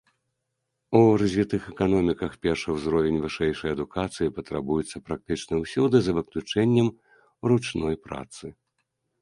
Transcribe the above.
У развітых эканоміках першы ўзровень вышэйшай адукацыі патрабуецца практычна ўсюды за выключэннем ручной працы.